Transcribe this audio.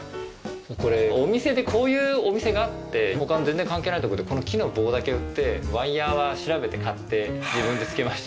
これお店でこういうお店があって他の全然関係ないところでこの木の棒だけ売っててワイヤーは調べて買って自分で付けました。